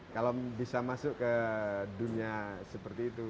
kalau bisa masuk ke dunia seperti itu